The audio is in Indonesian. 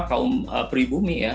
kaum pribumi ya